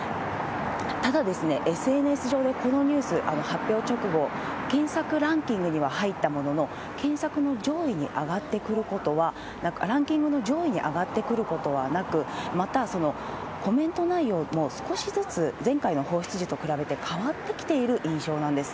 ただ、ＳＮＳ上でこのニュース、発表直後、検索ランキングには入ったものの、検索の上位に上がってくることは、ランキングの上位に上がってくることはなく、また、コメント内容も少しずつ、前回の放出時と比べて変わってきている印象なんです。